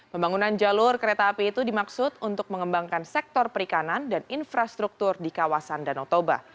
pembangunan jalur kereta api itu dimaksud untuk mengembangkan sektor perikanan dan infrastruktur di kawasan danau toba